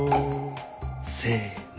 せの。